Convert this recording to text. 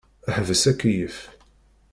Ḥbes akeyyef.